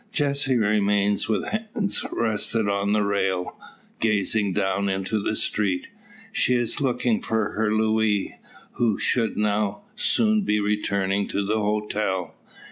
Jessie remains with hands rested on the rail, gazing down into the street. She is looking for her Luis, who should now soon be returning to the hotel.